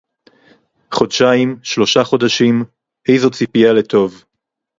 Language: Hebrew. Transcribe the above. חודשיים, שלושה חודשים, איזו ציפייה לטוב